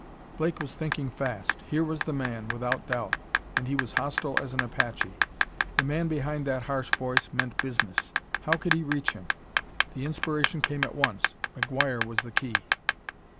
Blake was thinking fast. Here was the man, without doubt and he was hostile as an Apache; the man behind that harsh voice meant business. How could he reach him? The inspiration came at once. McGuire was the key.